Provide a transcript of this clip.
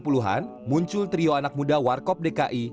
pada seribu sembilan ratus delapan puluh an muncul trio anak muda warkop dki